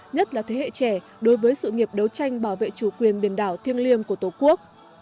nhất là thế hệ trẻ đối với sự nghiệp đấu tranh bảo vệ chủ quyền biển đảo thiêng liêng của tổ quốc